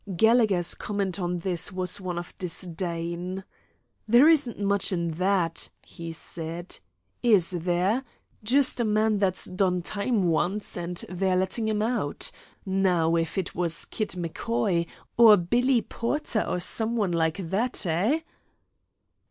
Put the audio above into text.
Gallegher's comment on this was one of disdain. "There isn't much in that," he said, "is there? Just a man that's done time once, and they're letting him out. Now, if it was Kid McCoy, or Billy Porter, or some one like that eh?"